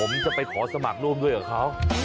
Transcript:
ผมจะไปขอสมัครร่วมด้วยกับเขา